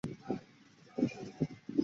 以下为无尽的任务所出现的种族。